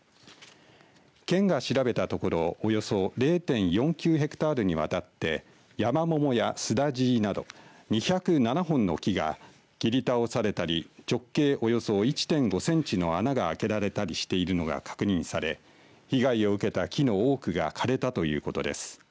県が調べたところおよそ０．４９ヘクタールにわたってヤマモモやスダジイなど２０７本の木が切り倒されたり直径およそ１．５センチの穴が開けられたりしているのが確認され被害を受けた木の多くが枯れたということです。